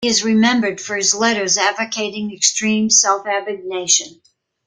He is remembered for his letters advocating extreme self-abnegation.